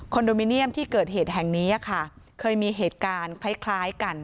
โดมิเนียมที่เกิดเหตุแห่งนี้ค่ะเคยมีเหตุการณ์คล้ายกัน